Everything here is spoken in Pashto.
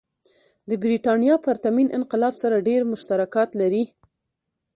د برېټانیا پرتمین انقلاب سره ډېر مشترکات لري.